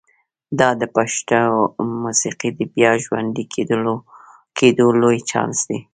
دا د پښتو موسیقۍ د بیا ژوندي کېدو لوی چانس دی.